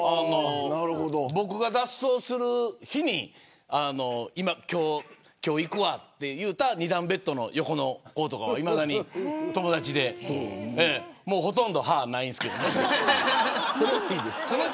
僕が脱走する日に今日行くわと言った２段ベッドの横の子とは、いまだに友達でもうほとんど歯がないんですけど。